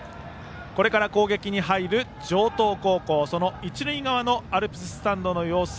これから攻撃に入る城東高校のアルプススタンドの様子